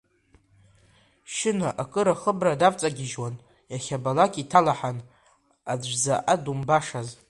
Шьына акыр ахыбра давҵагьежьуан, иахьабалак иҭалаҳан, аӡә заҟа думбашаз.